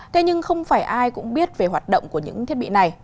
thế nhưng không phải ai cũng biết về hoạt động của những thiết bị này